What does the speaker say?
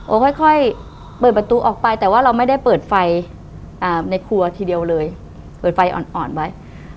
ค่อยเปิดประตูออกไปแต่ว่าเราไม่ได้เปิดไฟในครัวทีเดียวเลยเปิดไฟอ่อนไว้